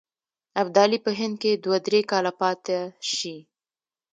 ابدالي په هند کې دوه درې کاله پاته شي.